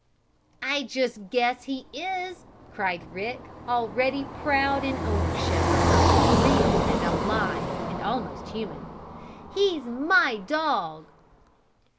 "I just guess he is!" cried Rick already proud in ownership of something real and alive and almost human. "He's my dog!"